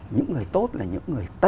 những người tốt là những người tốt